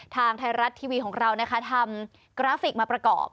ทางไทยรัฐทีวีของเรานะคะทำกราฟิกมาประกอบ